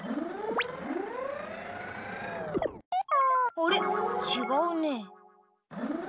あれちがうね。